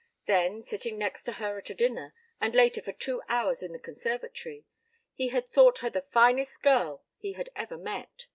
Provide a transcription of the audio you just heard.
Then, sitting next to her at a dinner, and later for two hours in the conservatory, he had thought her the finest girl he had ever met.